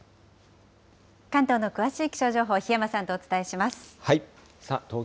関東の詳しい気象情報、檜山さんとお伝えします。